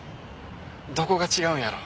どこが違うんやろ？